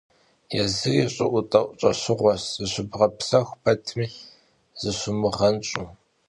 Yêzıri ş'ı'etı'eş, ş'eşığueş, zışıbğepsexu petmi zışumığenş'u.